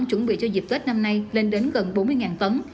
chuẩn bị cho dịp tết năm nay lên đến gần bốn mươi tấn